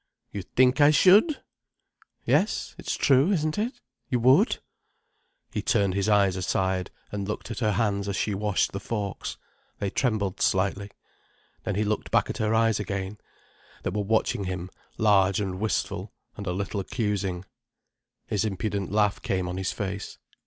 "You think I should!" "Yes. It's true, isn't it? You would!" He turned his eyes aside, and looked at her hands as she washed the forks. They trembled slightly. Then he looked back at her eyes again, that were watching him large and wistful and a little accusing. His impudent laugh came on his face.